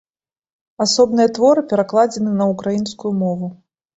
Асобныя творы перакладзены на ўкраінскую мову.